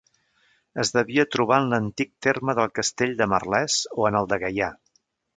Es devia trobar en l'antic terme del castell de Merlès o en el de Gaià.